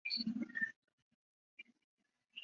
达利涅列琴斯克是俄罗斯滨海边疆区的一座城市。